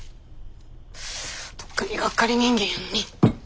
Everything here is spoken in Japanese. とっくにがっかり人間やのに。